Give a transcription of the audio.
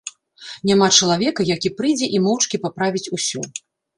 Няма чалавека, які прыйдзе і моўчкі паправіць ўсё.